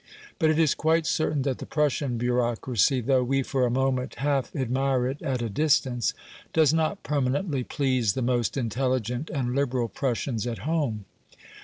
But it is quite certain that the Prussian bureaucracy, though we, for a moment, half admire it at a distance, does not permanently please the most intelligent and liberal Prussians at home.